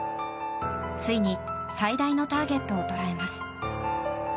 ついに最大のターゲットを捉えます。